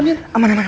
aman aman aman